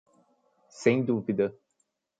Sem dúvida.